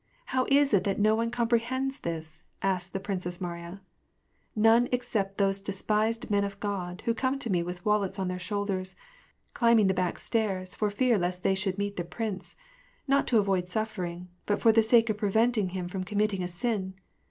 How is it that no one compre hends this ?" asked the Princess Mariya. " None except these despised Men of God, who come to me with wallets on their shoulders, climbing the back stairs, for fear lest they should meet the prince: not to avoid suffering, but for the sake of preventing him from committing a sin.